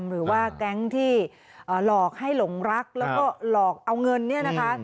หรือว่าแก๊งที่หลอกให้หลงรักแล้วก็หลอกเอาเงินเนี่ยนะคะ